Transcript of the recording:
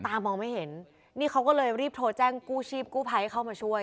มองไม่เห็นนี่เขาก็เลยรีบโทรแจ้งกู้ชีพกู้ภัยให้เข้ามาช่วย